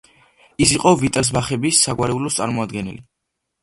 ის იყო ვიტელსბახების საგვარეულოს წარმომადგენელი.